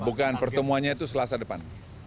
bukan pertemuannya itu selasa depan